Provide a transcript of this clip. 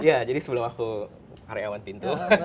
iya jadi sebelum aku karyawan pintu